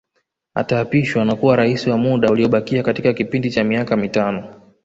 Ataapishwa na kuwa Rais wa muda uliobakia katika kipindi cha miaka mitano